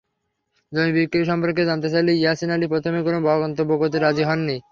জমি বিক্রি সম্পর্কে জানতে চাইলে ইয়াছিন আলী প্রথমে কোনো মন্তব্য করতে রাজি হননি।